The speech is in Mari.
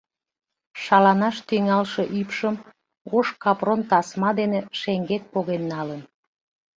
Шаланаш тӱҥалше ӱпшым ош капрон тасма дене шеҥгек поген налын.